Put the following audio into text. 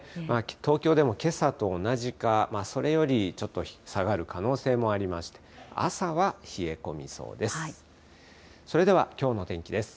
東京でもけさと同じか、それよりちょっと下がる可能性もありまして、朝は冷え込みそうです。